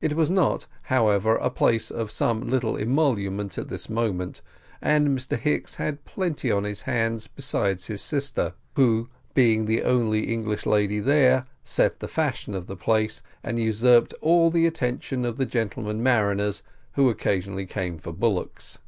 It was, however, a place of some little emolument at this moment, and Mr Hicks had plenty on his hands besides his sister, who, being the only English lady there, set the fashion of the place, and usurped all the attention of the gentlemen mariners who occasionally came for bullocks.